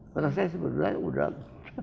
karena saya sebenarnya udang